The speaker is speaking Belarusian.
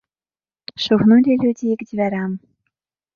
Шугнулі людзі і к дзвярам.